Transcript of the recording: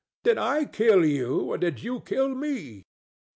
Did I kill you or did you kill me?